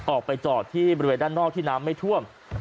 ออกไปจอดที่บริเวณด้านนอกที่น้ำไม่ท่วม